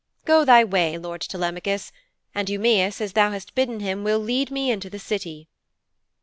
Go thy way, lord Telemachus, and Eumæus, as thou hast bidden him, will lead me into the City.'